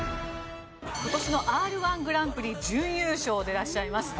今年のＲ−１グランプリ準優勝でいらっしゃいます。